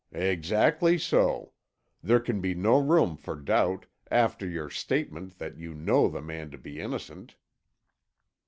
"Exactly so. There can be no room for doubt, after your statement that you know the man to be innocent."